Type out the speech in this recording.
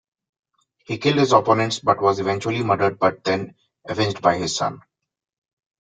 He killed his opponents but was eventually murdered but then avenged by his son.